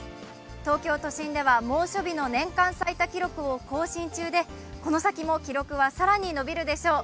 東京都心では猛暑日の年間最多記録を更新中で、この先も記録は更に伸びるでしょう。